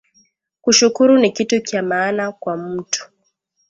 Ku shukuru ni kitu kya maana kwa mutu